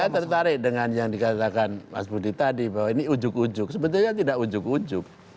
saya tertarik dengan yang dikatakan mas budi tadi bahwa ini ujuk ujug sebetulnya tidak ujug ujuk